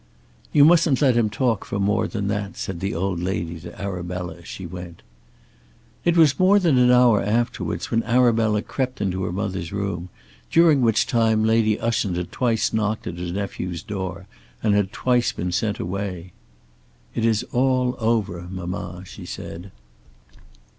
"You mustn't let him talk for more than that," said the old lady to Arabella as she went. It was more than an hour afterwards when Arabella crept into her mother's room, during which time Lady Ushant had twice knocked at her nephew's door and had twice been sent away. "It is all over, mamma!" she said.